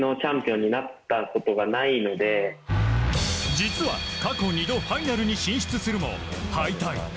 実は過去２度ファイナルに進出するも敗退。